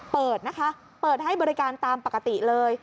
เปิดนะคะเปิดให้บริการตามปกติเลย